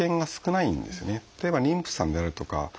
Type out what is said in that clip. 例えば妊婦さんであるとか。